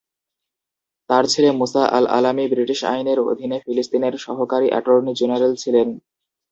তার ছেলে মূসা আল-আলামি ব্রিটিশ আইনের অধীনে ফিলিস্তিনের সহকারী অ্যাটর্নি-জেনারেল ছিলেন।